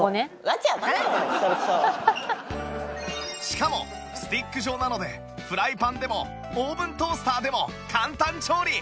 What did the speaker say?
しかもスティック状なのでフライパンでもオーブントースターでも簡単調理